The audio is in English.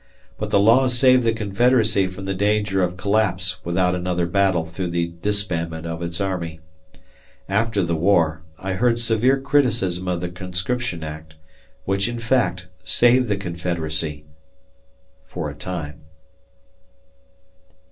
But the law saved the Confederacy from the danger of collapse without another battle through the disbandment of its army. After the war I heard severe criticism of the Conscription Act which, in fact, saved the Confederacy for a time.